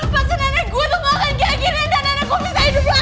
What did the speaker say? pas nana gue tuh gak akan diakhiri dan nana gue bisa hidup lagi